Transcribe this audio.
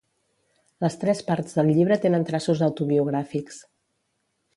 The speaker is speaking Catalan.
Les tres parts del llibre tenen traços autobiogràfics.